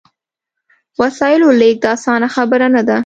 وسایلو لېږد اسانه خبره نه ده.